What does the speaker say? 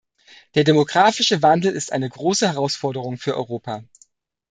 Der demografische Wandel ist eine große Herausforderung für Europa.